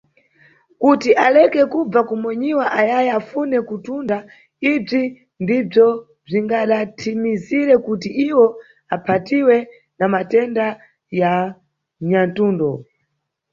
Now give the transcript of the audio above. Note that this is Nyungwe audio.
Kuti aleke kubva kumonyiwa ayayi afune kutunda, ibzi ndibzo bzingathimizire kuti iwo aphatiwe na matenda ya nyathundo.